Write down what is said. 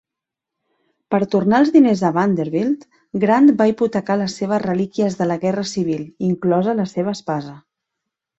Per tornar els diners a Vanderbilt, Grant va hipotecar les seves relíquies de la Guerra Civil, inclosa la seva espasa.